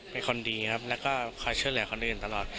เป็นคนดีครับแล้วก็คอยช่วยเหลือคนอื่นตลอด